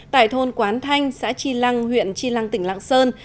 tại thôn quán thanh xã tri lăng huyện tri lăng tỉnh lạng sơn